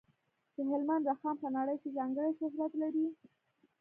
د هلمند رخام په نړۍ کې ځانګړی شهرت لري.